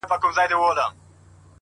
زما سره يې دومره ناځواني وكړله ـ